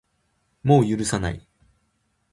もう許さない